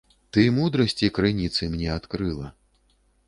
Ты мудрасці крыніцы мне адкрыла.